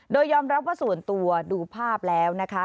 โดยยอมรับว่าส่วนตัวดูภาพแล้วนะคะ